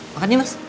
makan nih mas